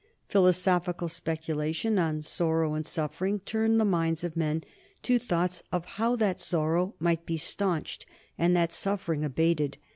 Philosophical speculation on sorrow and suffering turned the minds of men to thoughts of how that sorrow might be stanched and that suffering abated.